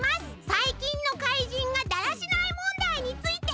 「さいきんの怪人がだらしない問題について」！